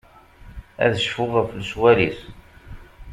Ad cfuɣ ɣef lecɣal-is.